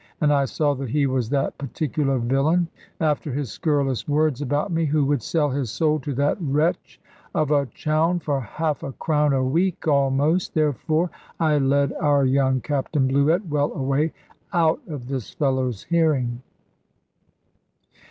And I saw that he was that particular villain, after his scurrilous words about me, who would sell his soul to that wretch of a Chowne for half a crown a week almost. Therefore I led our young Captain Bluett well away out of this fellow's hearing.